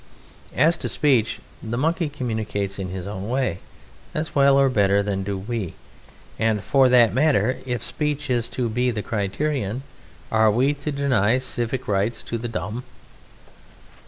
As to speech, the Monkey communicates in his own way as well or better than do we, and for that matter, if speech is to be the criterion, are we to deny civic rights to the Dumb?